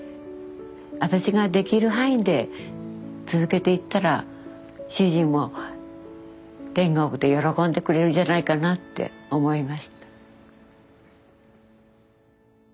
私ができる範囲で続けていったら主人も天国で喜んでくれるんじゃないかなって思いました。